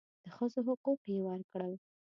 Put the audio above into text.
د ښځو حقوق یې ورکړل.